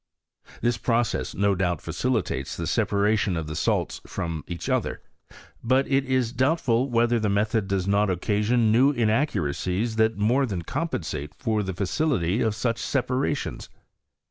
This process no doubt facilitates the sepa ration of the salts from each other: but it is doubt ful whether the method does not occasion new in accuracies that more than compensate the facility of such separations.